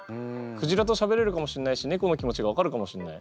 クジラとしゃべれるかもしんないし猫の気持ちが分かるかもしんない。